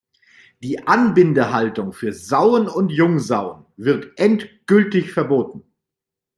Die Anbindehaltung für Sauen und Jungsauen wird endgültig verboten.